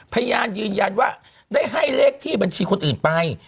พยานยืนยันว่าได้ให้เลขที่บัญชีคนอื่นไป